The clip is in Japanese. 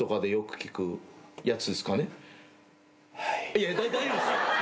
いや大丈夫です。